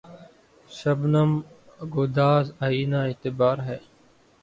شبنم‘ گداز آئنۂ اعتبار ہے